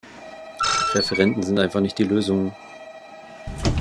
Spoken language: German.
Referenden sind einfach nicht die Lösung.